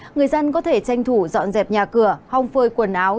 người dân có thể tranh thủ dọn dẹp nhà cửa hong phơi quần áo